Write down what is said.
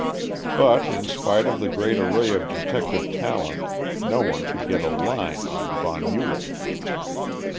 But, in spite of the great array of detective talent, no one could get a line on von Ewald.